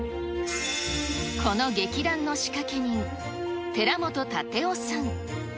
この劇団の仕掛け人、寺本建雄さん。